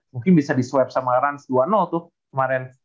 mungkin bisa di swipe sama ranz dua tuh kemaren